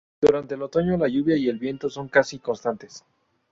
Durante el otoño, la lluvia y el viento son casi constantes.